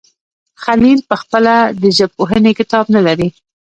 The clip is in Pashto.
خلیل پخپله د ژبپوهنې کتاب نه لري.